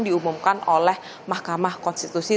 diumumkan oleh mahkamah konstitusi